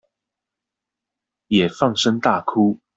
也放聲大哭